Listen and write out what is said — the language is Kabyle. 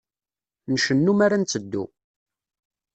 Ncennu mi ara netteddu.